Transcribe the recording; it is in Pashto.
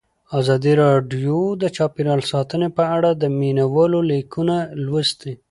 ازادي راډیو د چاپیریال ساتنه په اړه د مینه والو لیکونه لوستي.